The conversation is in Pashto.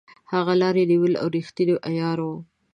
هغه لاري نیولې او ریښتونی عیار وو.